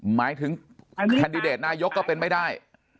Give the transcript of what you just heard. หมายถึงแคนดิเดตนายกก็เป็นไม่ได้